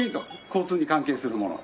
交通に関係するもの？